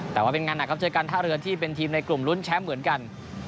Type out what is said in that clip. แต่ว่าเป็นงานหนักครับเจอกันท่าเรือที่เป็นทีมในกลุ่มรุ้นแชมป์เหมือนกัน